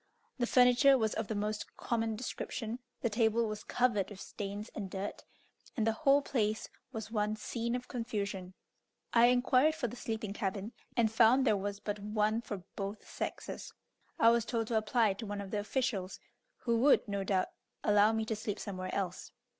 The furniture was of the most common description, the table was covered with stains and dirt, and the whole place was one scene of confusion. I inquired for the sleeping cabin, and found there was but one for both sexes. I was told to apply to one of the officials, who would no doubt allow me to sleep somewhere else.